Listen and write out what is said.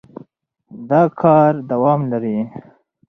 دا کار دوام لري.